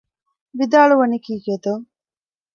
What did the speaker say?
ވިދާޅުވަނީ ކީކޭތޯ؟